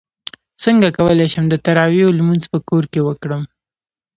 څنګه کولی شم د تراویحو لمونځ په کور کې وکړم